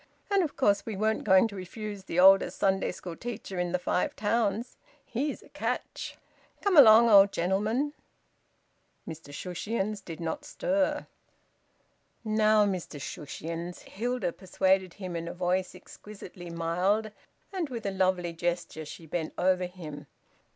And of course we weren't going to refuse the oldest Sunday school teacher in th' Five Towns. He's a catch... Come along, old gentleman!" Mr Shushions did not stir. "Now, Mr Shushions," Hilda persuaded him in a voice exquisitely mild, and with a lovely gesture she bent over him.